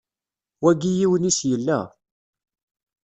Wagi yiwen-is yella.